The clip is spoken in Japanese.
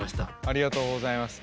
ありがとうございます。